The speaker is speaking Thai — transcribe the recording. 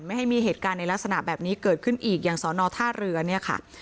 ให้มีเหตุการณ์ในลักษณะแบบนี้เกิดขึ้นอีกอย่างสอนอท่าเรือเนี่ยค่ะ